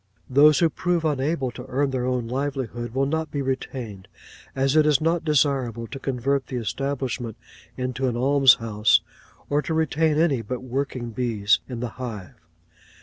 Those who prove unable to earn their own livelihood will not be retained; as it is not desirable to convert the establishment into an alms house, or to retain any but working bees in the hive.